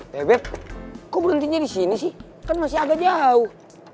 bebe kok berhentinya disini sih kan masih agak jauh